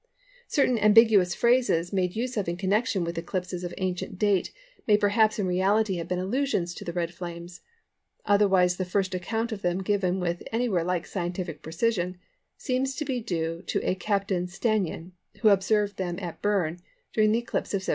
Certain ambiguous phrases made use of in connection with eclipses of ancient date may perhaps in reality have been allusions to the Red Flames; otherwise the first account of them given with anything like scientific precision seems to be due to a Captain Stannyan, who observed them at Berne during the eclipse of 1706.